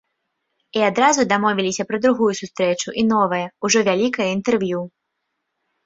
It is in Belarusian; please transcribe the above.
І адразу дамовіліся пра другую сустрэчу і новае, ужо вялікае інтэрв'ю.